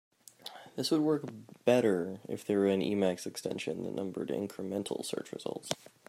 This would work better if there were an Emacs extension that numbered incremental search results.